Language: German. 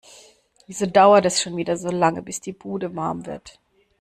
Wieso dauert es schon wieder so lange, bis die Bude warm wird?